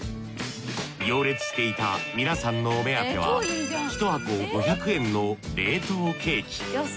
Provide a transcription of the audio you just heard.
行列していた皆さんのお目当ては１箱５００円の冷凍ケーキ。